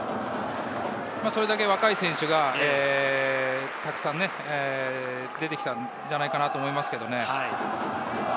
それだけ若い選手がたくさん出てきたんじゃないかなと思いますね。